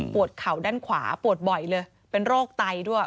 เข่าด้านขวาปวดบ่อยเลยเป็นโรคไตด้วย